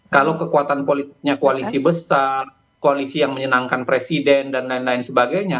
kalau kekuatan politiknya koalisi besar koalisi yang menyenangkan presiden dan lain lain sebagainya